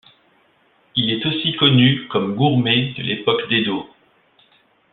Il est aussi connu comme gourmet de l'époque d'Edo.